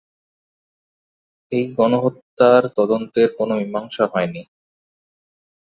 এই গণহত্যার তদন্তের কোনো মীমাংসা হয়নি।